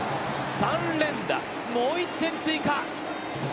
３連打、もう１点追加。